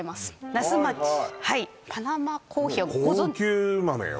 那須町はいパナマコーヒーはご存じ高級豆よ